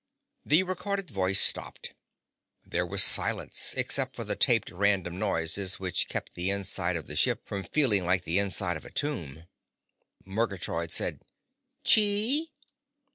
The recorded voice stopped. There was silence except for the taped random noises which kept the inside of the ship from feeling like the inside of a tomb. Murgatroyd said: "Chee?"